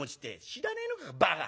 「知らねえのかバカ。